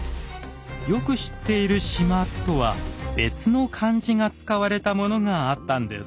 よく知っている「縞」とは別の漢字が使われたものがあったんです。